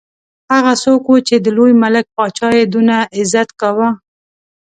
هغه څوک وو چې د لوی ملک پاچا یې دونه عزت کاوه.